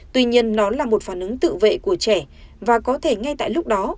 tuy nhiên nó là một phản ứng tự vệ của trẻ và có thể ngay tại lúc đó